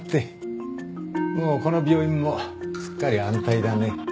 もうこの病院もすっかり安泰だね。